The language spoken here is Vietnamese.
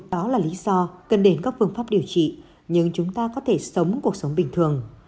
đó là lý do cần đến các phương pháp điều trị nhưng chúng ta có thể sống cuộc sống bình thường